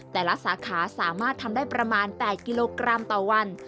แต่ละสาขาสามารถทำได้ประมาณ๘กิโลกรัมต่อวัน